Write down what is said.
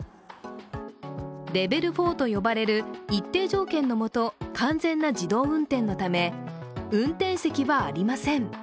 レベル４と呼ばれる一定条件のもと完全な自動運転のため運転席はありません。